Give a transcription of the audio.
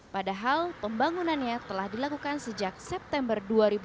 padahal pembangunannya telah dilakukan sejak september dua ribu dua puluh